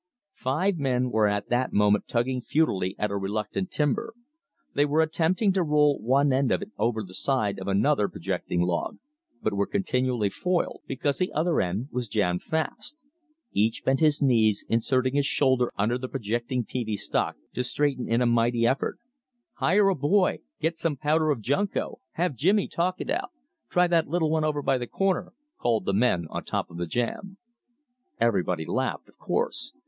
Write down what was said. Five men were at the moment tugging futilely at a reluctant timber. They were attempting to roll one end of it over the side of another projecting log, but were continually foiled, because the other end was jammed fast. Each bent his knees, inserting his shoulder under the projecting peavey stock, to straighten in a mighty effort. "Hire a boy!" "Get some powder of Junko!" "Have Jimmy talk it out!" "Try that little one over by the corner," called the men on top of the jam. Everybody laughed, of course.